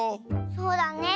そうだね。